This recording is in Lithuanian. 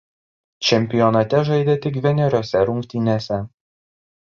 Čempionate žaidė tik vieneriose rungtynėse.